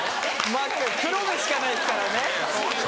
黒目しかないですからね。